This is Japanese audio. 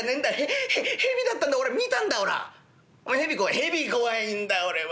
「蛇怖いんだ俺は。